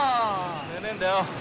食えねえんだよ。